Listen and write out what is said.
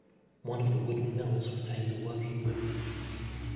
One of the woollen mills retains a working loom.